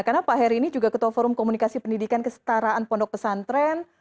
karena pak heri ini juga ketua forum komunikasi pendidikan kesetaraan pondok pesantren